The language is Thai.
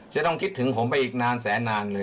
จะต้องคิดถึงผมไปอีกนานแสนนานเลย